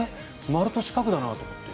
丸と四角だなと思って。